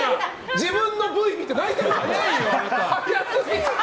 自分のＶを見て泣いてるよ！